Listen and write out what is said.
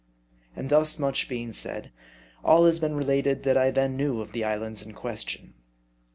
And thus much being said, all has been related that I then knew of the islands in question.